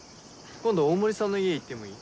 今度大森さんの家行ってもいい？